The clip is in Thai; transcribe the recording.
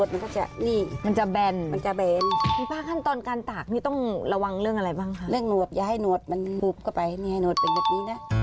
ป้าคะหลังจากที่เราล้างเสร็จแล้วไปไหนต่อคะ